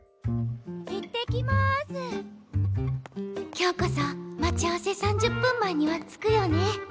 今日こそ待ち合わせ３０分前には着くよね。